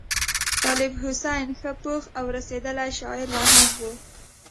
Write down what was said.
طالب حسین ښه پوخ او رسېدلی شاعر لا هم وو.